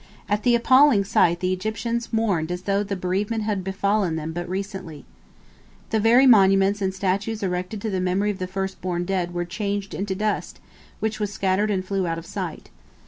At the appalling sight the Egyptians mourned as though the bereavement had befallen them but recently. The very monuments and statues erected to the memory of the first born dead were changed into dust, which was scattered and flew out of sight.